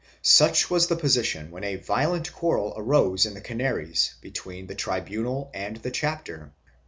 Such was the position when a violent quarrel arose in the Canaries between the tribunal and the chapter.